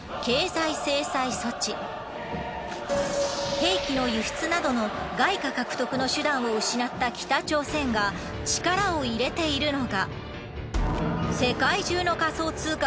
兵器の輸出などの外貨獲得の手段を失った北朝鮮が力を入れているのが。